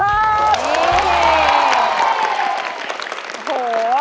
โอ้โห